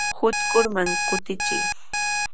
Utrkuman kutichiy.